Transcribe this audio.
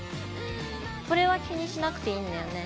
これは気にしなくていいんだよね？